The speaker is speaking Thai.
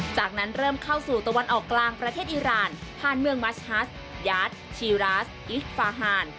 จากนั้นเริ่มเข้าสู่ตะวันออกกลางประเทศอีรานผ่านเมืองมัชฮัสยาทชีราสอิสฟาฮาน